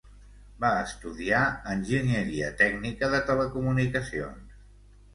Va estudiar enginyeria tècnica de telecomunicacions.